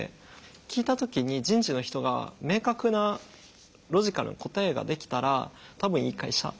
聞いた時に人事の人が明確なロジカルな答えができたら多分いい会社。